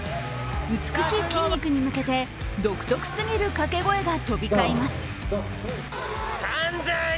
美しい筋肉に向けて、独特すぎる掛け声が飛び交います。